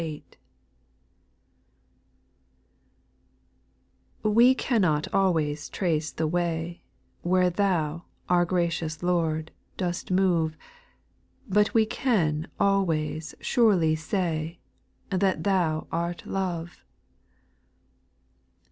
w E cannot always trace the way, Where Thou, our gracious Lord, dost move. But we can always surely say, That Thou art love.